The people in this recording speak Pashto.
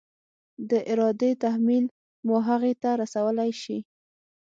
د ارادې تحمیل مو هغې ته رسولی شي؟